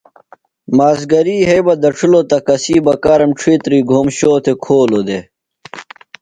مازِگری یھئ بہ دڇِھلوۡ تہ کسی بکارم ڇِھیتری گھوم شو تھےۡ کھولو دےۡ۔